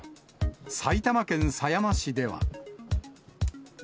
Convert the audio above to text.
埼玉県狭山市では。